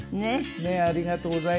ねえ「ありがとうございます」。